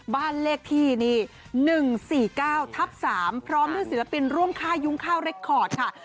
บ้านเลขที่นี่หนึ่งสี่เก้าทับสามพร้อมด้วยศิลปินร่วมค่ายุ้งข้าวแรคคอร์ดค่ะ